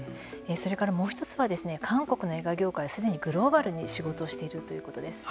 それからもう一つは韓国の映画業界はすでにグローバルに仕事をしているということです。